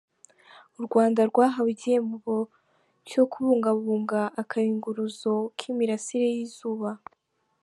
U Rwanda rwahawe igihembo cyo kubungabunga akayunguruzo k’imirasire y’izuba